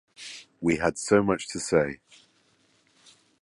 We had so much to say.